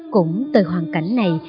cũng từ hoàn cảnh này